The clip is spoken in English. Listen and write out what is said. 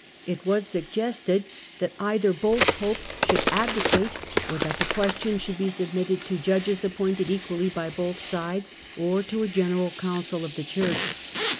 It was suggested that either both Popes should abdicate, or that the question should be submitted to judges appointed equally by both sides, or to a General Council of the Church.